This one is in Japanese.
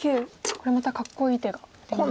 これまたかっこいい手が出ましたね。